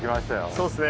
そうですね。